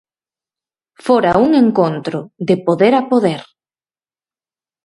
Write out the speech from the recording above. Fora un encontro de poder a poder.